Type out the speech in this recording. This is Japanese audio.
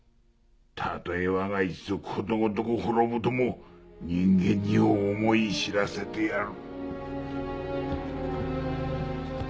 たとえわが一族ことごとく滅ぶとも人間に思い知らせてやる。